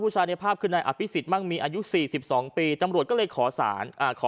จะมั้งมีอายุ๔๒ปีตำรวจก็เลยขอสารอ่ะขอ